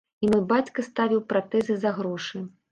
І мой бацька ставіў пратэзы за грошы.